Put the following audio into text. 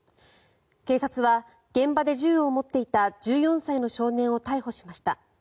警察は、現場で銃を持っていた１４歳の少年を逮捕しました。